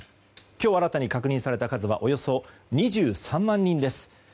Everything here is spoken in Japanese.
今日新たに確認された数はおよそ２３万人です。